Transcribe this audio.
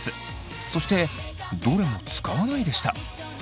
そしてどれも使わないでした。